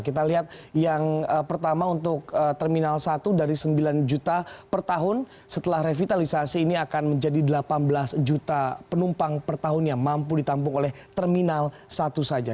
kita lihat yang pertama untuk terminal satu dari sembilan juta per tahun setelah revitalisasi ini akan menjadi delapan belas juta penumpang per tahun yang mampu ditampung oleh terminal satu saja